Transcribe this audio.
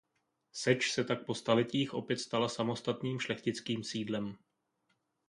Seč se tak po staletích opět stala samostatným šlechtickým sídlem.